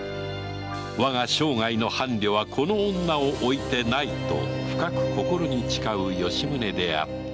我が生涯の伴侶はこの女をおいてないと深く心に誓う吉宗であった